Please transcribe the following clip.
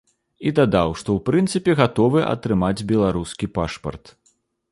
І дадаў, што ў прынцыпе, гатовы атрымаць беларускі пашпарт.